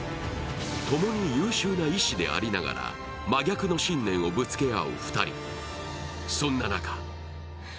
共に優秀な医師でありながら真逆の信念をぶつけ合う２人。